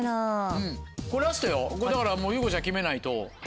これだから優子ちゃん決めないと。